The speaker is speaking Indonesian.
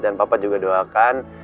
dan papa juga doakan